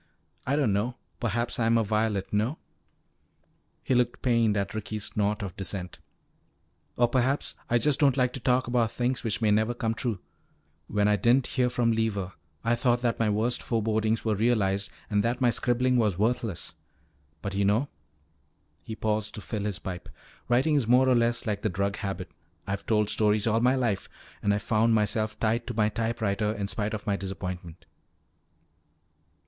"I don't know. Perhaps I am a violet no?" He looked pained at Ricky's snort of dissent. "Or perhaps I just don't like to talk about things which may never come true. When I didn't hear from Lever, I thought that my worst forebodings were realized and that my scribbling was worthless. But you know," he paused to fill his pipe, "writing is more or less like the drug habit. I've told stories all my life, and I found myself tied to my typewriter in spite of my disappointment.